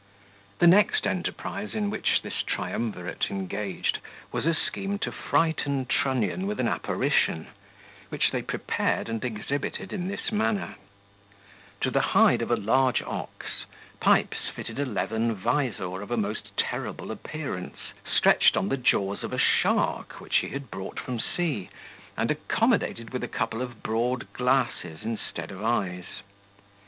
The next enterprise in which this triumvirate engaged, was a scheme to frighten Trunnion with an apparition, which they prepared and exhibited in this manner: to the hide of a large ox, Pipes fitted a leathern vizor of a most terrible appearance, stretched on the jaws of a shark, which he had brought from sea, and accommodated with a couple of broad glasses instead of eyes.